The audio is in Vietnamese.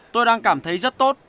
tôi đang cảm thấy rất tốt